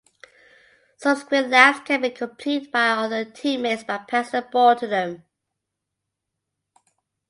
Subsequent laps can be completed by other teammates by passing the ball to them.